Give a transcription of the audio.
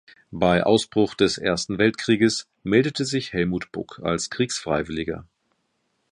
Bei Ausbruch des Ersten Weltkrieges meldete sich Hellmuth Buck als Kriegsfreiwilliger.